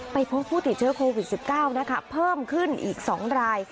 ไปพบผู้ติดเชื้อโควิดสิบเก้านะคะเพิ่มขึ้นอีกสองราย